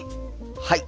はい！